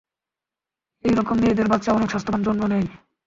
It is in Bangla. এইরকম মেয়েদের বাচ্চা অনেক স্বাস্থ্যবান জন্ম নেয়।